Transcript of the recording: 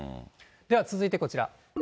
では続いてこちら。